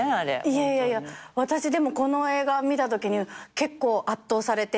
いやいやいや私この映画見たときに結構圧倒されて。